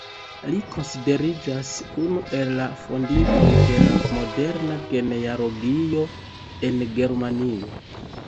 Li konsideriĝas unu el la fondintoj de la moderna genealogio en Germanio.